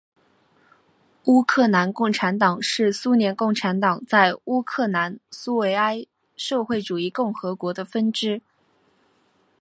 乌克兰共产党是苏联共产党在乌克兰苏维埃社会主义共和国的分支。